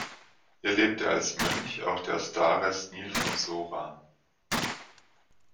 Hier lebte als Mönch auch der Starez Nil von Sora.